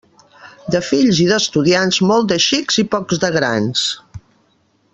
De fills i d'estudiants, molts de xics i pocs de grans.